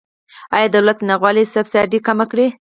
آیا دولت نه غواړي سبسایډي کمه کړي؟